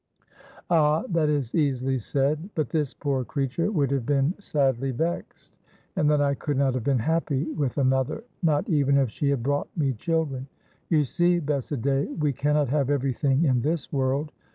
"Ah, that is easily said; but this poor creature would have been sadly vexed, and then I could not have been happy with another, not even if she had brought me children. You see, Bessadée, we cannot have everything in this world.